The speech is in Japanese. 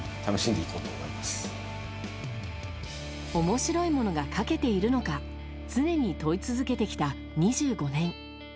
面白いものが描けているのか常に問い続けてきた２５年。